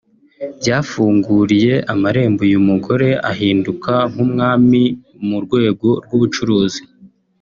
byafunguriye amarembo uyu mugore ahinduka nk’umwami mu rwego rw’ubucuruzi